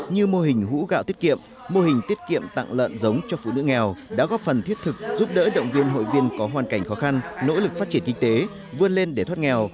như mô hình hũ gạo tiết kiệm mô hình tiết kiệm tặng lợn giống cho phụ nữ nghèo đã góp phần thiết thực giúp đỡ động viên hội viên có hoàn cảnh khó khăn nỗ lực phát triển kinh tế vươn lên để thoát nghèo